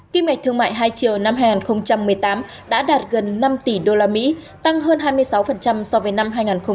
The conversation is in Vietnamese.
kim ngạch thương mại hai triệu năm hai nghìn một mươi tám đã đạt gần năm tỷ usd tăng hơn hai mươi sáu so với năm hai nghìn một mươi bảy